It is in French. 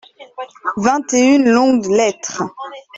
Vingt et une longues lettres.